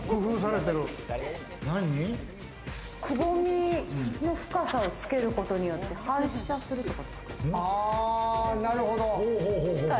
くぼみの深さをつけることによって反射するとかですか？